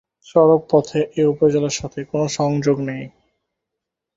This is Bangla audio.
সড়ক পথে এই উপজেলার সাথে কোন সংযোগ পথ নেই।